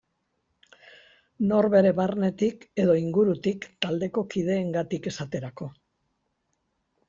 Norbere barnetik edo ingurutik, taldeko kideengatik esaterako.